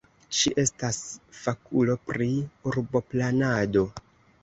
Ŝi estas fakulo pri urboplanado.